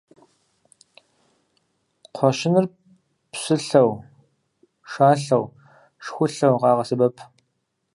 Кхъуэщыныр псылъэу, шалъэу, шхулъэу къагъэсэбэп.